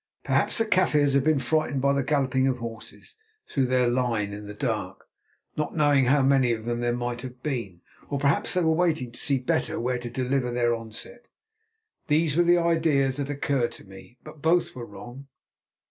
Perhaps the Kaffirs had been frightened by the galloping of horses through their line in the dark, not knowing how many of them there might have been. Or perhaps they were waiting to see better where to deliver their onset. These were the ideas that occurred to me, but both were wrong.